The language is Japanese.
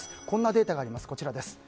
こんなデータがあります。